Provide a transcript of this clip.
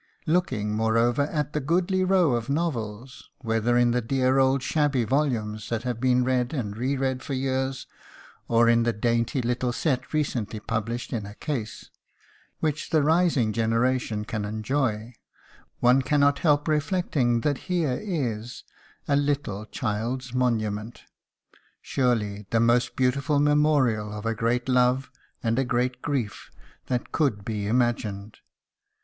Looking, moreover, at that goodly row of novels whether in the dear old shabby volumes that have been read and re read for years, or in that dainty little set recently published in a case, which the rising generation can enjoy one cannot help reflecting that here is "A Little Child's Monument," surely the most beautiful memorial of a great love and a great grief that could be imagined.